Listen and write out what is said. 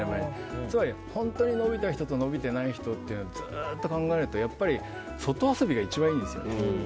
つまり、本当に伸びた人と伸びてない人というのをずっと考えると外遊びが一番いいんですよね。